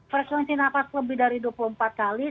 frekuensi nafas lebih dari dua puluh empat kali